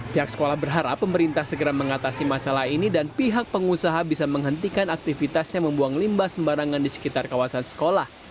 pihak sekolah berharap pemerintah segera mengatasi masalah ini dan pihak pengusaha bisa menghentikan aktivitasnya membuang limbah sembarangan di sekitar kawasan sekolah